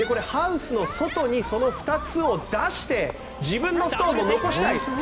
ハウスの外にその２つを出して自分のストーンを残したい。